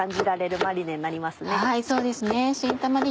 そうですね